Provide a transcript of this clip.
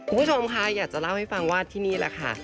คุณผู้ชมค่ะอยากจะเล่าให้ฟังว่าที่นี่แหละค่ะ